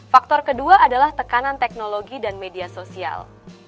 faktor kedua adalah tekanan teknologi dan media sosial